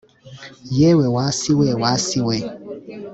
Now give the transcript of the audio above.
Yewe wa si we wa si we